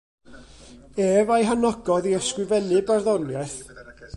Ef a'i hanogodd i ysgrifennu barddoniaeth.